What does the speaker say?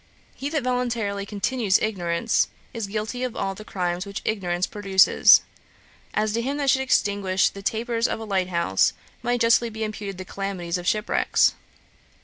He that voluntarily continues ignorance, is guilty of all the crimes which ignorance produces; as to him that should extinguish the tapers of a light house, might justly be imputed the calamities of shipwrecks.